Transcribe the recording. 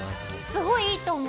すごいいいと思う。